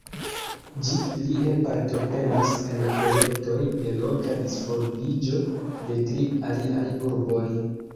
Ĝi plie partoprenas en projektoj de loka disvolviĝo de tri aliaj urboj.